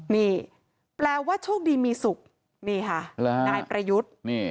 นี่แปลว่าโชคดีมีสุขนี่ค่ะนายประยุทธ์